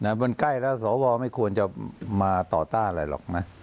มันใกล้แล้วสวไม่ควรจะมาต่อต้านอะไรหรอกนะ